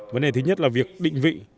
vấn đề thứ nhất là việc định vị